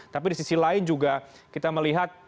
tapi di sisi lain juga kita melihat